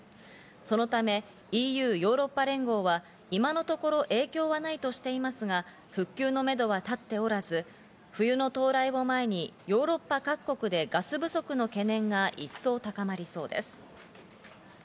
そのためＥＵ＝ヨーロッパ連合は今のところ影響はないとしていますが、復旧のめどは立っておらず、冬の到来を前にヨーロッパ各国でガス不足の懸念が一層高まりそうです。